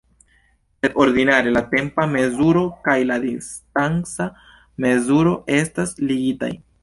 Sed ordinare la tempa mezuro kaj la distanca mezuro estas ligitaj.